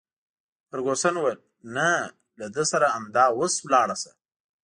فرګوسن وویل: نه، له ده سره همدا اوس ولاړه شه.